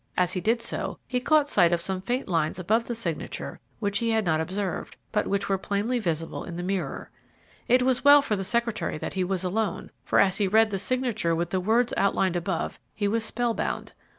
As he did so, he caught sight of some faint lines above the signature which he had not observed, but which were plainly visible in the mirror. It was well for the secretary that he was alone, for, as he read the signature with the words outlined above, he was spellbound.